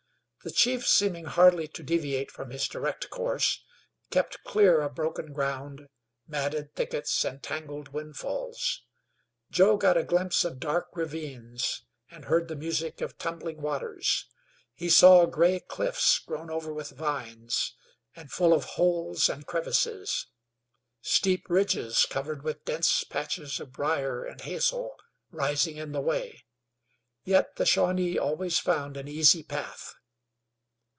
The chief, seeming hardly to deviate from his direct course, kept clear of broken ground, matted thickets and tangled windfalls. Joe got a glimpse of dark ravines and heard the music of tumbling waters; he saw gray cliffs grown over with vines, and full of holes and crevices; steep ridges, covered with dense patches of briar and hazel, rising in the way. Yet the Shawnee always found an easy path.